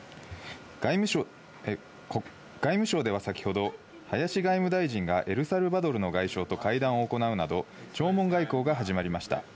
外務省では先ほど林外務大臣がエルサルバドルの外相と会談を行うなど弔問外交が始まりました。